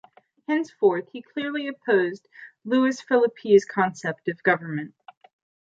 Henceforth, he clearly opposed Louis-Philippe's concept of government.